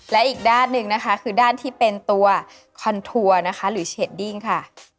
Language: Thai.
และอีกด้านหนึ่งนะคะคือด้านที่เป็นตัวคอนทัวร์นะคะหรือเชดดิ้งค่ะ